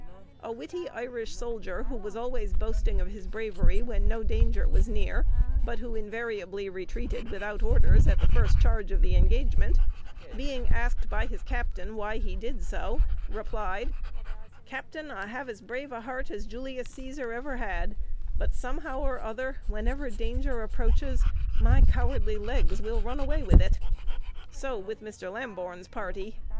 A witty Irish soldier who was always boasting of his bravery when no danger was near, but who invariably retreated without orders at the first charge of the engagement, being asked by his captain why he did so, replied, 'Captain, I have as brave a heart as Julius Cæsar ever had, but somehow or other, whenever danger approaches, my cowardly legs will run away with it.' So with Mr. Lamborn's party.